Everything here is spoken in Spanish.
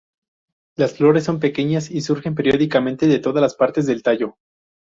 Las flores son pequeñas y surgen periódicamente de todas las partes del tallo.